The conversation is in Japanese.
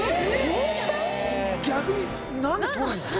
逆に何で取るの？